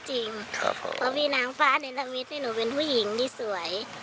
เพราะพี่นางฟ้าในทวิตนี่หนูเป็นผู้หญิงที่สวย